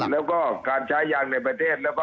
แล้วก็การใช้ยางในประเทศแล้วก็